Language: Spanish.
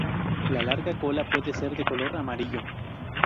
La larga cola puede ser de color amarillo.